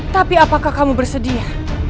tapi apakah kamu bersedia